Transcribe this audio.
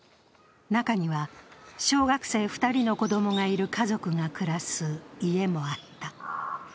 中には、小学生２人の子供がいる家族が暮らす家もあった。